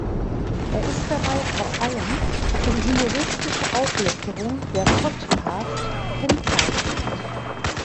Er ist dabei vor allem für die humoristische Auflockerung der Podcast kennzeichnend.